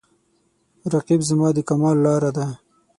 رقیب زما د کمال لاره ده